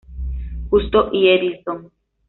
Justo y Edison.